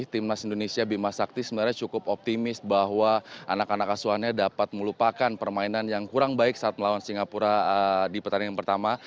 timnas indonesia bima sakti sebenarnya cukup optimis bahwa anak anak asuhannya dapat melupakan permainan yang kurang baik saat melawan singapura di pertandingan pertama